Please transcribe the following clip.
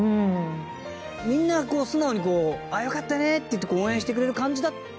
みんな素直にこう「よかったね！」って言って応援してくれる感じだったんですか？